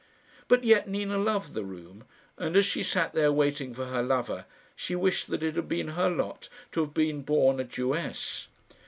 But yet Nina loved the room, and as she sat there waiting for her lover, she wished that it had been her lot to have been born a Jewess.